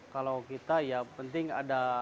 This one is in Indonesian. kalau kita ya penting ada